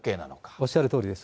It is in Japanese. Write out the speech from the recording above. おっしゃるとおりです。